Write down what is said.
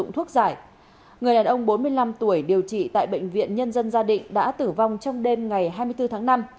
bốn mươi năm tuổi điều trị tại bệnh viện nhân dân gia đình đã tử vong trong đêm ngày hai mươi bốn tháng năm